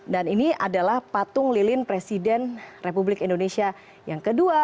dan ini adalah patung lilin presiden republik indonesia yang kedua